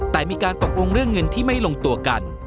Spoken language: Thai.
แต่มีการตกลงเรื่องเงินที่ไม่ลงตัวกัน